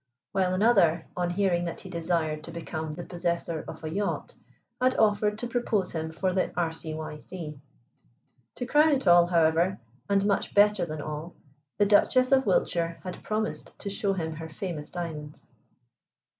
While another, on hearing that he desired to become the possessor of a yacht, had offered to propose him for the R.C.Y.C. To crown it all, however, and much better than all, the Duchess of Wiltshire had promised to show him her famous diamonds.